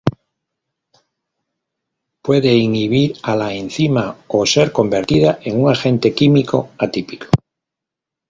Puede inhibir a la enzima o ser convertida en un agente químico atípico.